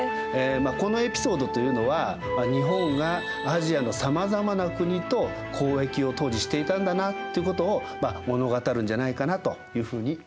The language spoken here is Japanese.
このエピソードというのは日本がアジアのさまざまな国と交易を当時していたんだなということを物語るんじゃないかなというふうに思います。